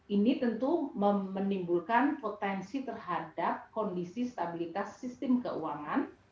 ini tentu menimbulkan potensi terhadap kondisi stabilitas sistem keuangan